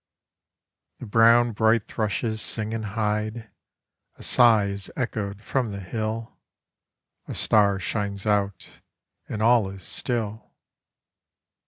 The brown bright thrushes sing and hide; A sigh is echoed from the hill; A star shines out and all is still.